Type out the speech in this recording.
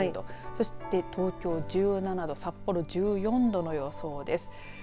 そして東京１７度札幌１４度の予想です。